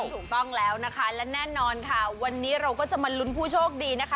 ถูกต้องแล้วนะคะและแน่นอนค่ะวันนี้เราก็จะมาลุ้นผู้โชคดีนะคะ